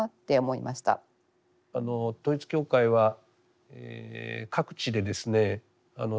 統一教会は各地でですね